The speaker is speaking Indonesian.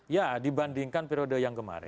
ya dibandingkan periode yang kemarin